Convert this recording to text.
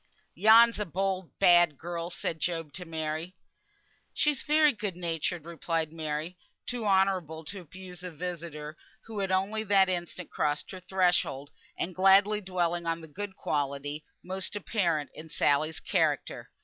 "Yon's a bold, bad girl," said Job to Mary. "She's very good natured," replied Mary, too honourable to abuse a visitor who had only that instant crossed her threshold, and gladly dwelling on the good quality most apparent in Sally's character.